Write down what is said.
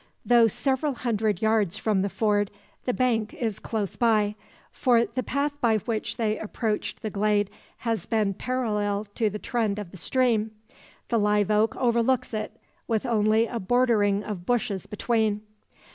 Though several hundred yards from the ford, the bank is close by; for the path by which they approached the glade has been parallel to the trend of the stream. The live oak overlooks it, with only a bordering of bushes between.